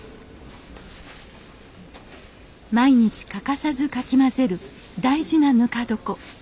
毎日欠かさずかき混ぜる大事なぬか床。